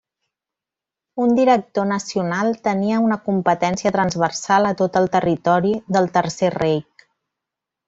Un director nacional tenia una competència transversal a tot el territori del Tercer Reich.